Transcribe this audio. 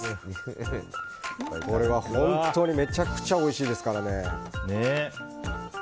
これは本当にめちゃくちゃおいしいですからね。